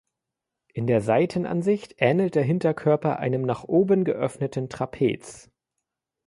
In der Seitenansicht ähnelt der Hinterkörper einem nach oben geöffneten Trapez.